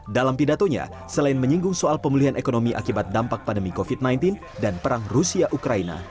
dalam pidatonya selain menyinggung soal pemulihan ekonomi akibat dampak pandemi covid sembilan belas dan perang rusia ukraina